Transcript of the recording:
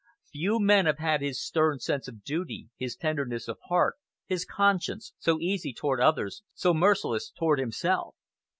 Few men have had his stern sense of duty, his tenderness of heart, his conscience, so easy toward others, so merciless toward himself.